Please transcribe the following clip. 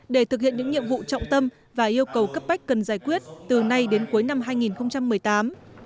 để thực hiện những nhiệm vụ trọng tâm và yêu cầu cấp bách cần giải quyết từ nay đến cuối năm hai nghìn một mươi tám